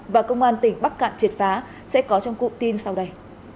và công an tỉnh bắc cạn triệt phá sẽ có trong cụm tin sau đây